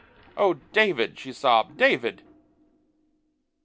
"Oh, David," she sobbed, "David!"